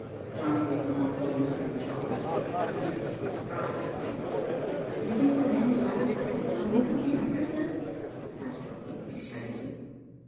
Tom gave the long, low whistle which always typified interest and surprise to him. "You think the man's laboratory is somewhere near here, then," asked Dorothy excitedly.